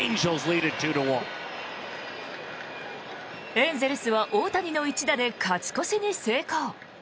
エンゼルスは大谷の一打で勝ち越しに成功。